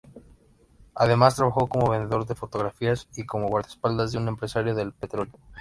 Además, trabajó como vendedor de fotografías y como guardaespaldas de un empresario del petróleo.